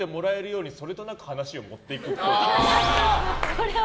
これは？